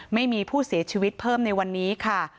ไม่มีผู้เสียชีวิตเพิ่มในวันนี้ค่ะ